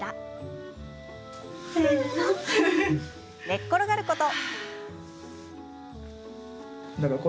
寝っ転がること。